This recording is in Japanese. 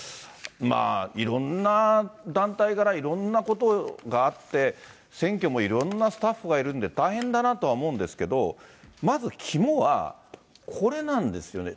いろんな団体からいろんなことがあって、選挙もいろんなスタッフがいるんで大変だなとは思うんですけど、まず肝は、これなんですよね。